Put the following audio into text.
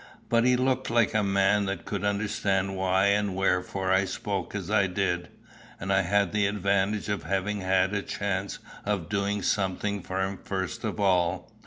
But he looked like a man that could understand why and wherefore I spoke as I did. And I had the advantage of having had a chance of doing something for him first of all.